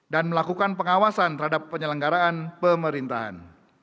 dan melakukan pengawasan terhadap penyelenggaraan pemerintahan